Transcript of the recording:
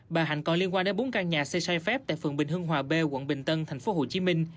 bà hạnh còn liên quan đến bốn căn nhà xây sai phép tại phường bình hưng hòa b quận bình tân tp hcm